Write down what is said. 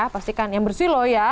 pastikan yang bersih loh ya